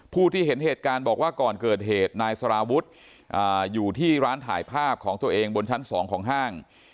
ผู้ที่เห็นเหตุการณ์บอกว่าก่อนเกิดเหตุนายสารวุฒิอยู่ที่ร้านถ่ายภาพของตัวเองบนชั้น๒ของห้าง